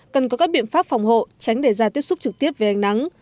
cần có các biện pháp phòng hộ tránh để ra tiếp xúc trực tiếp với ánh nắng